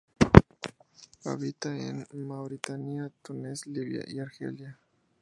Habita en Mauritania, Túnez, Libia y Argelia.